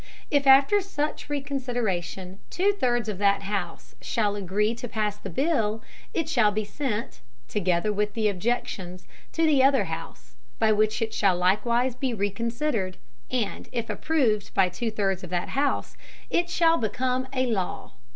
If after such Reconsideration two thirds of that House shall agree to pass the Bill, it shall be sent, together with the Objections, to the other House, by which it shall likewise be reconsidered, and if approved by two thirds of that House, it shall become a Law.